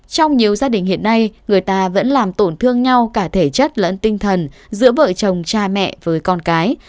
trong nhiều gia đình hiện nay người ta vẫn làm tổn thương nhau cả thể chất lẫn tinh thần giữa vợ chồng cha mẹ với con cái